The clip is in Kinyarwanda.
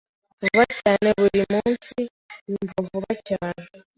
Vuba cyane, burimunsi yumva vuba cyane